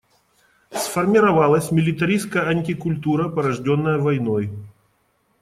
Сформировалась милитаристская антикультура, порожденная войной.